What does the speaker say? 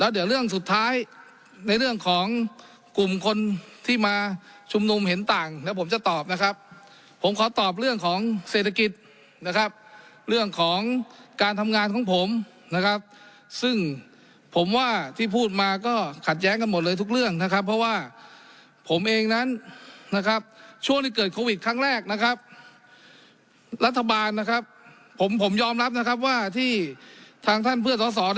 เดี๋ยวเรื่องสุดท้ายในเรื่องของกลุ่มคนที่มาชุมนุมเห็นต่างแล้วผมจะตอบนะครับผมขอตอบเรื่องของเศรษฐกิจนะครับเรื่องของการทำงานของผมนะครับซึ่งผมว่าที่พูดมาก็ขัดแย้งกันหมดเลยทุกเรื่องนะครับเพราะว่าผมเองนั้นนะครับช่วงที่เกิดโควิดครั้งแรกนะครับรัฐบาลนะครับผมผมยอมรับนะครับว่าที่ทางท่านเพื่อสอสอ